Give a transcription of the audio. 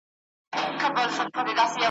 په ټولۍ کي به د زرکو واویلا وه ,